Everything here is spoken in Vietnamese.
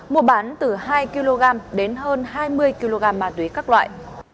mua bán từ hai kg đến hơn hai mươi kg ma túy các loại